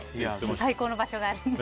最高の場所があります。